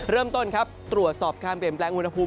เริ่มต้นครับตรวจสอบการเปลี่ยนแปลงอุณหภูมิ